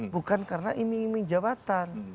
bukan karena iming iming jabatan